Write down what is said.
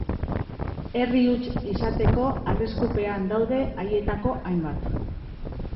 Herri huts izateko arriskupean daude haietako hainbat.